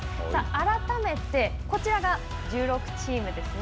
改めて、こちらが１６チームですね。